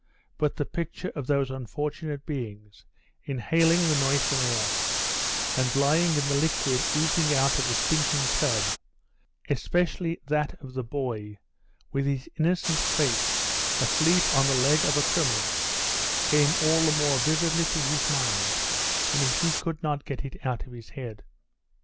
But the picture of those unfortunate beings, inhaling the noisome air, and lying in the liquid oozing out of the stinking tub, especially that of the boy, with his innocent face asleep on the leg of a criminal, came all the more vividly to his mind, and he could not get it out of his head.